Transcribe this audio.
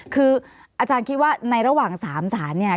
คืออาจารย์คิดว่าในระหว่าง๓สารเนี่ย